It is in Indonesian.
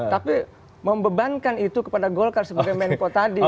tapi membebankan itu kepada golkar sebagai menko tadi